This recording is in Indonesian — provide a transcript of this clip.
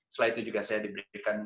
setelah itu juga saya diberikan